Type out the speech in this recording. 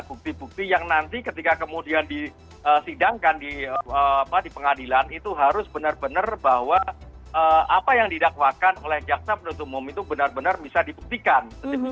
bukti bukti yang nanti ketika kemudian disidangkan di pengadilan itu harus benar benar bahwa apa yang didakwakan oleh jaksa penutup umum itu benar benar bisa dibuktikan